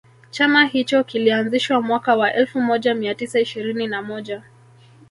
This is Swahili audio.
Chama hicho kilianzishwa mwaka wa elfumoja mia tisa ishirini na moja